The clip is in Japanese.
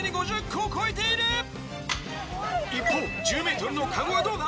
一方１０ｍのカゴはどうだ？